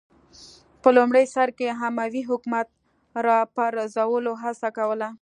په لومړي سر کې اموي حکومت راپرځولو هڅه کوله